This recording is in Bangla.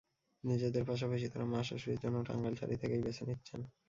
নিজেদের পাশাপাশি তাঁরা মা, শাশুড়ির জন্যও টাঙ্গাইল শাড়ি থেকেই বেছে নিচ্ছেন।